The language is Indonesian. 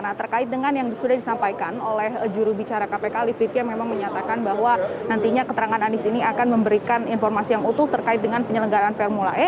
nah terkait dengan yang sudah disampaikan oleh jurubicara kpk ali fikya memang menyatakan bahwa nantinya keterangan anies ini akan memberikan informasi yang utuh terkait dengan penyelenggaraan formula e